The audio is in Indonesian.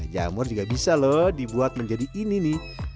jamur juga bisa loh dibuat menjadi ini nih